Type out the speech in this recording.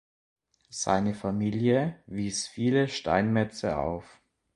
Seine Familie wies viele Steinmetze auf.